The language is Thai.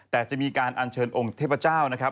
แต่จะมีการอัญเชิญองค์เทพเจ้านะครับ